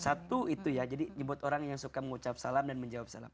satu itu ya jadi nyebut orang yang suka mengucap salam dan menjawab salam